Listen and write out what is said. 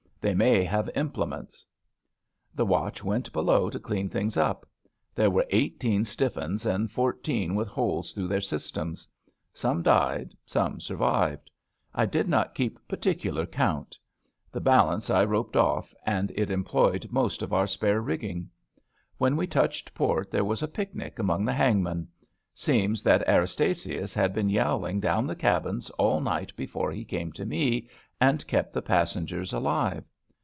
They may have implements.' The watch went below to clean things up. There were eighteen stiff uns and fourteen with holes through their systems. Some died, some survived. I did not keep particular count. The balance I roped up, and it employed most of our spare rigging. When we touched port there was a picnic among the hangmen. Seems that Eras tasius had been yowling down the cabins all night before he came to me, and kept the passengers alive.